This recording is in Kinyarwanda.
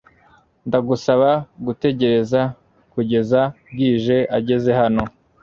Ndagusaba gutegereza kugeza Bwiza ageze hano .